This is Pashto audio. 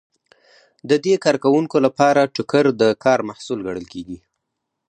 د دې کارکوونکو لپاره ټوکر د کار محصول ګڼل کیږي.